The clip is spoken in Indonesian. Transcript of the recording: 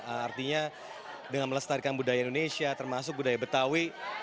artinya dengan melestarikan budaya indonesia termasuk budaya betawi